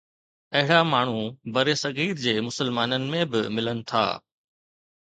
اهڙا ماڻهو برصغير جي مسلمانن ۾ به ملن ٿا.